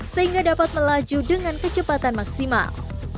sehingga dapat melaju dengan kecepatan maksimal